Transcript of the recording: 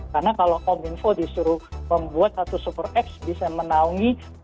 karena kalau kominfo disuruh membuat satu super app bisa menaungi